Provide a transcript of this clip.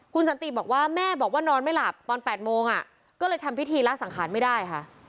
คุณสันติบอกว่าแม่บอกว่านอนไม่หลับตอน๘โมงก็เลยทำพิธีละสังขารไม่ได้ค่ะ